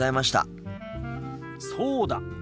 そうだ。